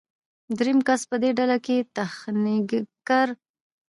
دریم کس په دې ډله کې تخنیکګر دی.